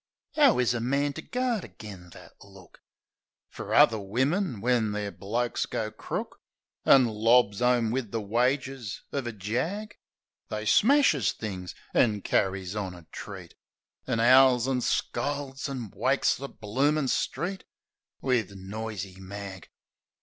'Ow is a man to guard agen that look? Fer other wimmin, when the'r blokes go crook, An' lobs 'ome wiv the wages uv a jag. SC THE SENTIMENTAL BLOKE They smashes things an' carries on a treat. An' 'owls an' scolds an' wakes the bloomin' street Wiv noisy mag.